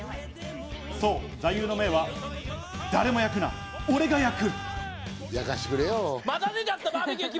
そう、座右の銘は「誰も焼くな俺が焼く」。